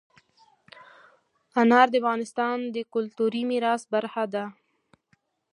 انار د افغانستان د کلتوري میراث برخه ده.